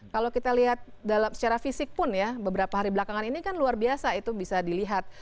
kalau kita lihat secara fisik pun ya beberapa hari belakangan ini kan luar biasa itu bisa dilihat